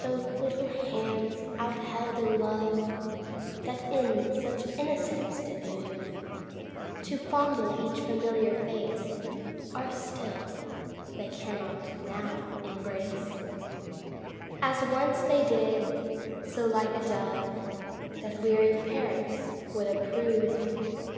Those little hands out held in love, That in such innocence did move To fondle each familiar face Are still they cannot now embrace As once they did so like a dove That weary parents would approve.